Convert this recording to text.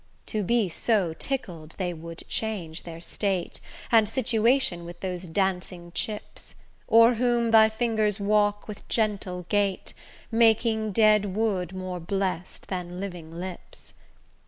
To be so tickled, they would change their state And situation with those dancing chips, O'er whom thy fingers walk with gentle gait, Making dead wood more bless'd than living lips.